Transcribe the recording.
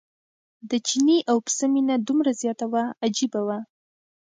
د چیني او پسه مینه دومره زیاته وه عجیبه وه.